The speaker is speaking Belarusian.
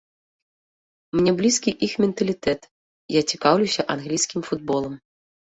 Мне блізкі іх менталітэт, я цікаўлюся англійскім футболам.